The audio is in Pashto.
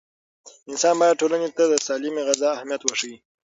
انسان باید ټولنې ته د سالمې غذا اهمیت وښيي.